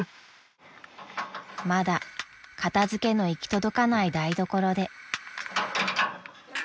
［まだ片付けの行き届かない台所で］